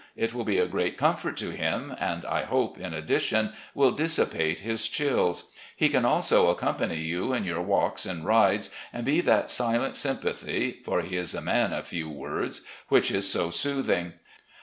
It will be a great comfort to him, and I hope, in addition, will dissipate his chills. He can also accompany you in your walks and rides and be that silent sympathy (for he is a man of few words) which is so soothing.